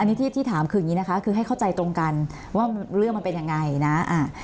อันนี้ที่ที่ถามคืออย่างงี้นะคะคือให้เข้าใจตรงกันว่าเรื่องมันเป็นยังไงนะอ่า